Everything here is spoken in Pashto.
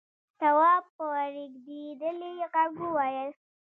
تواب په رېږديدلي غږ وويل: